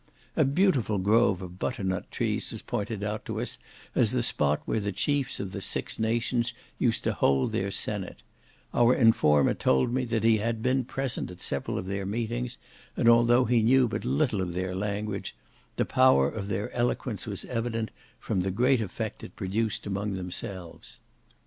A beautiful grove of butternut trees was pointed out to us, as the spot where the chiefs of the six nations used to hold their senate; our informer told me that he had been present at several of their meetings, and though he knew but little of their language, the power of their eloquence was evident from the great effect it produced among themselves.